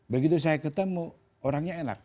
begitu saya ketemu orangnya enak